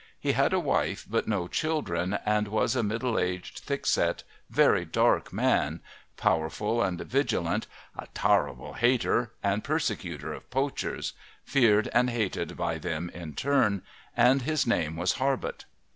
He had a wife but no children, and was a middle aged, thick set, very dark man, powerful and vigilant, a "tarrable" hater and persecutor of poachers, feared and hated by them in turn, and his name was Harbutt.